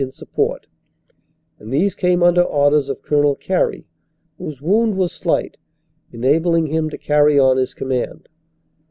in support, and these came under orders of Col. Carey, whose wound was slight, enabling him to carry on his command.